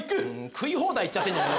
食い放題行っちゃってるじゃん。